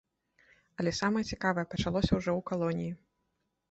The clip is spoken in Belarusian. Але самае цікавае пачалося ўжо ў калоніі.